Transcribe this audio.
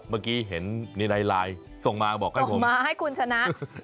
เมื่อกี้เห็นมีในไลน์ส่งมาบอกให้ผมมาให้คุณชนะ